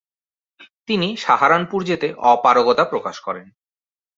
তিনি সাহারানপুর যেতে অপারগতা প্রকাশ করেন।